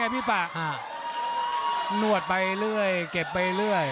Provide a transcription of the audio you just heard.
พี่ปะนวดไปเรื่อยเก็บไปเรื่อย